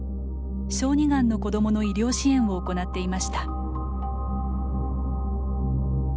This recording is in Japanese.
小児がんの子どもの医療支援を行っていました。